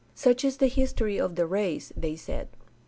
Such is the history of the race, they said.